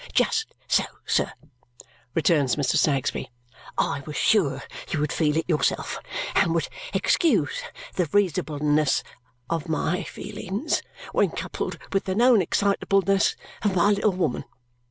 "Just so, sir," returns Mr. Snagsby; "I was sure you would feel it yourself and would excuse the reasonableness of MY feelings when coupled with the known excitableness of my little woman.